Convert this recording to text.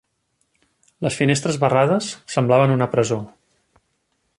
Les finestres barrades semblaven una presó.